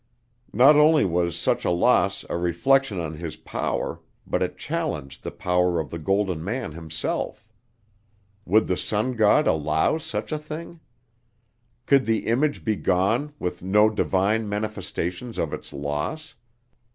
Not only was such a loss a reflection on his power, but it challenged the power of the Golden Man himself. Would the Sun God allow such a thing? Could the image be gone with no divine manifestations of its loss?